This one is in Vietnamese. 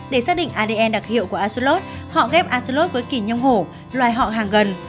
để xác định adn đặc hiệu của axolotl họ ghép axolotl với kỷ nhông hổ loài họ hàng gần